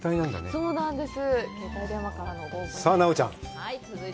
そうなんです。